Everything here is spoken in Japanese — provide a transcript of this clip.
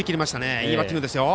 いいバッティングですよ。